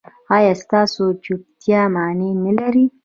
ایا ستاسو چوپتیا معنی لري؟